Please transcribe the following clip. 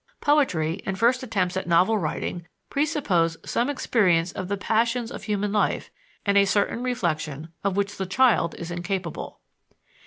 Poetry and first attempts at novel writing presuppose some experience of the passions of human life and a certain reflection of which the child is incapable.